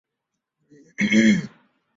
太子长琴亦成为焚寂之剑灵。